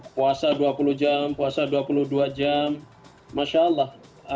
puasa dua puluh jam puasa dua puluh dua jam masya allah